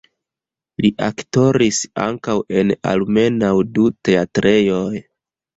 Li aktoris ankaŭ en almenaŭ du teatrejoj.